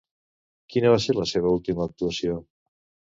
Quina va ser la seva última actuació?